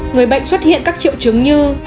người bệnh xuất hiện các triệu chứng như